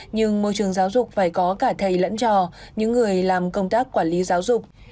nhưng môi trường giáo dục phải có cả thầy lẫn trò những người làm công tác quản lý giáo dục